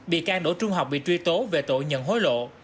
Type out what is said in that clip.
bị can đỗ trung học bị truy tố về tội nhận hối lộ